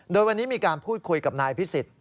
โดยวันนี้มีการพูดคุยกับนายพิสิทธิ